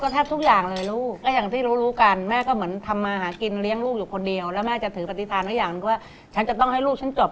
ตัวตุ๊กตาเซอฟี่ข้างหน้าครับ